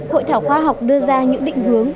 hội thảo khoa học đưa ra những định hướng